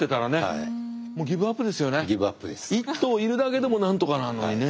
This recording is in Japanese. １頭いるだけでもなんとかなのにね。